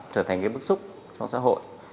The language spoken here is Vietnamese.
trở thành bức xúc trong xã hội